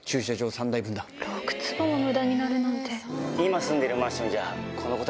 今住んでるマンションじゃ。